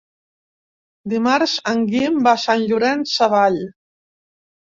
Dimarts en Guim va a Sant Llorenç Savall.